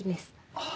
あぁ。